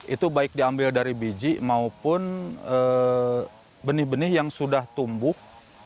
itu baik diambil dari biji maupun benih benih yang sudah tumbuh